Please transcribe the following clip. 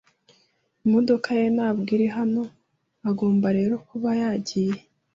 Imodoka ye ntabwo iri hano, agomba rero kuba yagiye.